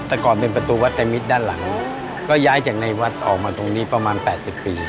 แต่ก่อนเป็นประตูวัดไตรมิตรด้านหลังก็ย้ายจากในวัดออกมาตรงนี้ประมาณ๘๐ปี